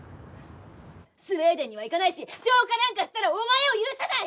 スウェーデンには行かないし浄化なんかしたらお前を許さない！